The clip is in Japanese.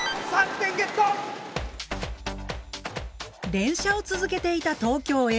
連射を続けていた東京Ａ